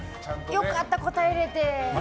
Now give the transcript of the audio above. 良かった、答えれて。